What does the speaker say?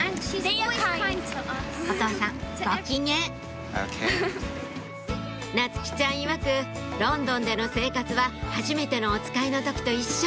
お父さんご機嫌ＯＫ．夏希ちゃんいわく「ロンドンでの生活ははじめてのおつかいの時と一緒。